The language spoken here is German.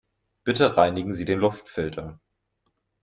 Bitte reinigen Sie den Luftfilter.